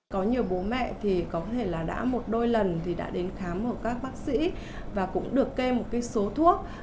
có nhiều bố mẹ có thể đã một đôi lần đến khám các bác sĩ và cũng được kê một số thuốc